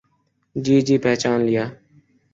جی جی پہچان لیا۔